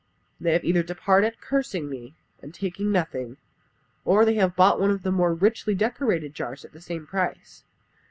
and they have either departed, cursing me, and taking nothing; or they have bought one of the more richly decorated jars at the same price.